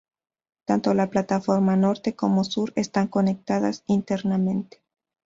Tanto la plataforma norte como sur están conectadas internamente.